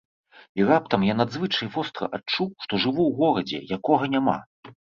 І раптам я надзвычай востра адчуў, што жыву ў горадзе, якога няма.